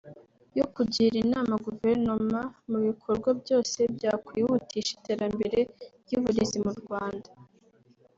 yo kugira inama Guverinoma ku bikorwa byose byakwihutisha iterambere ry’uburezi mu Rwanda